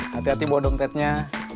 hati hati bodong tetnya